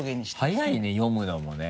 速いね読むのもね。